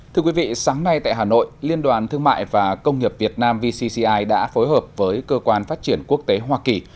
thưa quý vị sáng nay tại hà nội liên đoàn thương mại và công nghiệp việt nam vcci đã phối hợp với cơ quan phát triển quốc tế hoa kỳ